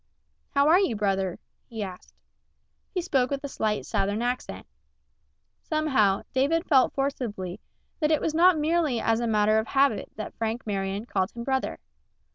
"How are you, brother?" he asked. He spoke with a slight Southern accent. Somehow, David felt forcibly that it was not merely as a matter of habit that Frank Marion called him brother.